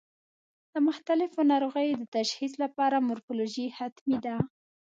د مختلفو ناروغیو د تشخیص لپاره مورفولوژي حتمي ده.